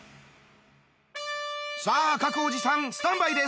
さあ各おじさんスタンバイです！